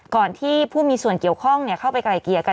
ที่ผู้มีส่วนเกี่ยวข้องเข้าไปไกลเกลี่ยกัน